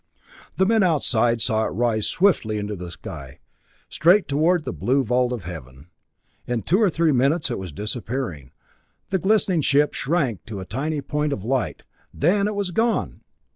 The men outside saw it rise swiftly into the sky, straight toward the blue vault of heaven. In two or three minutes it was disappearing. The glistening ship shrank to a tiny point of light; then it was gone!